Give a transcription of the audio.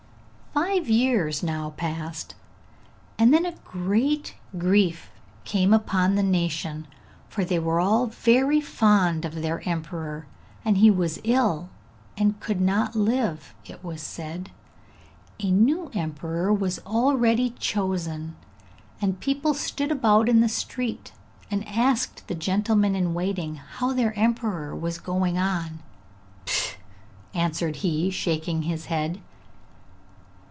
Five years now passed, and then a great grief came upon the nation, for they were all very fond of their emperor, and he was ill and could not live, it was said. A new emperor was already chosen, and people stood about in the street, and asked the gentleman in waiting how their emperor was going on. 'P,' answered he, shaking his head.